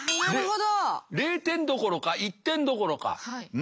なるほど。